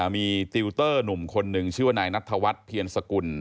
มีติวเตอร์หนุ่มคนหนึ่งชื่อว่านายนัทธวัฒน์เพียรสกุล